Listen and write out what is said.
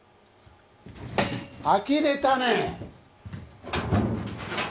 あきれたね。